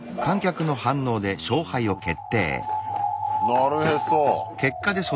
なるへそ。